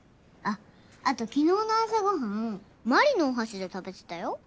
あっあと昨日の朝ご飯まりのお箸で食べてたよ。